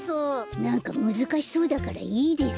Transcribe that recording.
なんかむずかしそうだからいいです。